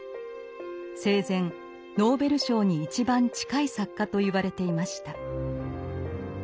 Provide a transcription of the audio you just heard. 生前ノーベル賞に一番近い作家といわれていました。